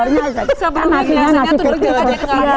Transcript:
ini biasanya tuh jalan jalan